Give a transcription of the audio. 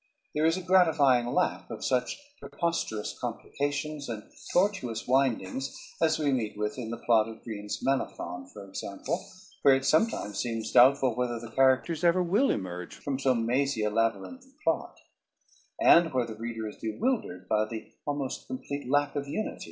There is a gratifying lack of such preposterous complications and tortuous windings as we meet with in the plot of Greene's "Menaphon," for example, where it sometimes seems doubtful whether the characters ever will emerge from so mazy a labyrinth of plot, and where the reader is bewildered by the almost complete lack of unity in the story.